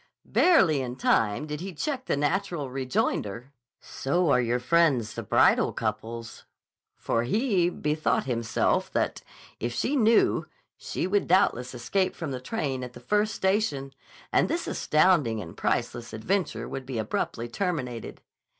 Barely in time did he check the natural rejoinder, "So are your friends, the bridal couples," for he bethought himself that, if she knew, she would doubtless escape from the train at the first station and this astounding and priceless adventure would be abruptly terminated.